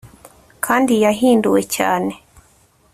kandi yahinduwe cyane